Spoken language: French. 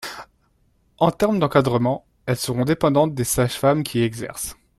En termes d’encadrement, elles seront dépendantes des sages-femmes qui y exercent.